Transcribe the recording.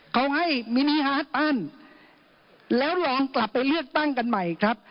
เขาให้มินิฮาร์ดอั้นแล้วลองกลับไปเลือกตั้งกันใหม่ครับ